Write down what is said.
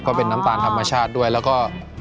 ก็เป็นน้ำตาลธรรมชาติด้วยแล้วก็